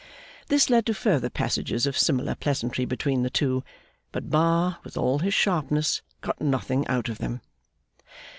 This led to further passages of similar pleasantry between the two; but Bar, with all his sharpness, got nothing out of them.